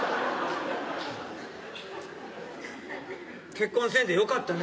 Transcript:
結婚せんでよかったね。